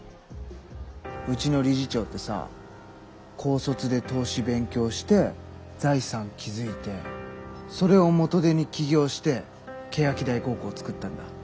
うちの理事長ってさ高卒で投資勉強して財産築いてそれを元手に起業して欅台高校つくったんだ。